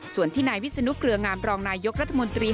ส่วนที่นายวิศนุเกลืองามรองนายกรัฐมนตรี